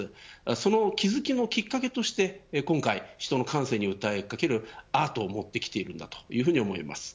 その気付きのきっかけとして今回、人の感性に訴えかけるアートをもってきているんだというふうに思います。